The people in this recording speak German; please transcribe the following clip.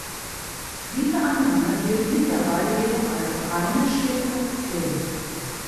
Diese Annahme gilt mittlerweile jedoch als reine Spekulation.